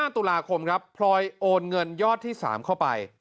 ตุลาคมครับพลอยโอนเงินยอดที่๓เข้าไป